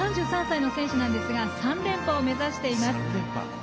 ３３歳の選手ですが３連覇を目指します。